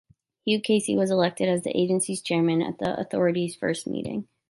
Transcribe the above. Hugh Casey was elected as the agency's chairman at the authority's first meeting.